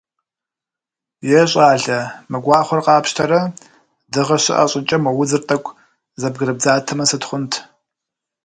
Е, щӏалэ, мы гуахъуэр къапщтэрэ, дыгъэ щыӏэ щӏыкӏэ, мо удзыр тӏэкӏу зэбгырыбдзатэмэ сыт хъунт?